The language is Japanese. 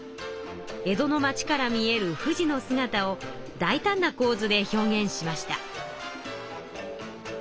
江戸の町から見える富士のすがたを大たんな構図で表現しました。